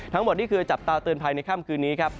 ทั้งหมดนี่คือจับตาเตือนภัยในค่ำคืนนี้ครับ